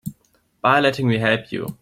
By letting me help you.